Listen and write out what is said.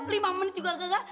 lima menit juga gagal